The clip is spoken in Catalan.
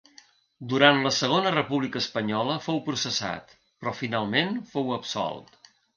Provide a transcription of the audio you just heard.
Durant la Segona República Espanyola fou processat, però finalment fou absolt.